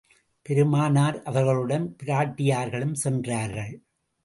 பெருமானார் அவர்களுடன், பிராட்டியார்களும் சென்றார்கள்.